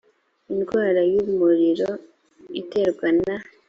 indwara y umuriro iterwa na